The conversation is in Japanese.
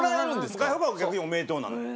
外国は逆に「おめでとう」なのよ。